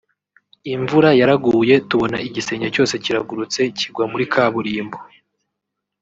imvura yaraguye tubona igisenge cyose kiragurutse kigwa muri Kaburimbo